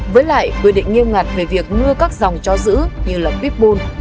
với lại quy định nghiêm ngặt về việc nuôi các dòng chó giữ như là pitbull